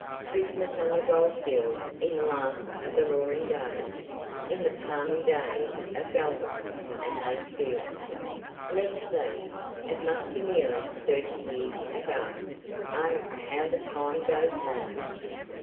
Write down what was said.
Christmas on the goldfields in the last of the roaring days, in the palmy days of Gulgong and those fields. Let's see! it must be nearly thirty years ago! Oh, how the time goes by!